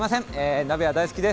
鍋は大好きです。